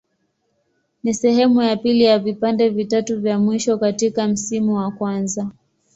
Ni sehemu ya pili ya vipande vitatu vya mwisho katika msimu wa kwanza.